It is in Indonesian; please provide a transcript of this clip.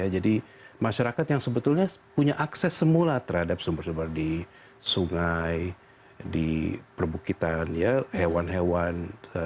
jadi masyarakat yang sebetulnya punya akses semula terhadap sumber sumber di sungai di perbukitan hewan hewan